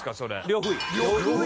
呂不韋。